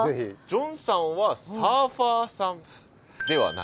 ジョンさんはサーファーさんではない？